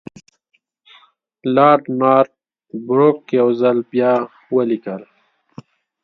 لارډ نارت بروک یو ځل بیا ولیکل.